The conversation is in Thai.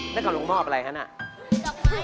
นั่งอารมณ์ของพบอะไรครันเนอะ